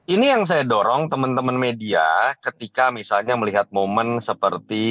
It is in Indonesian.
ini yang saya dorong teman teman media ketika misalnya melihat momen seperti